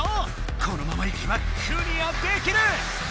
このままいけばクリアできる！